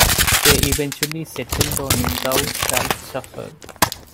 They eventually settled on Thou Shalt Suffer.